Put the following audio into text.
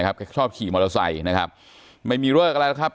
เขาชอบขี่มอเตอร์ไซค์นะครับไม่มีเลิกอะไรแล้วครับ